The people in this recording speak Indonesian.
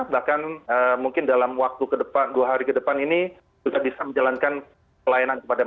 bahkan mungkin dalam waktu kedepan dua hari kedepan ini sudah bisa menjalankan pelaku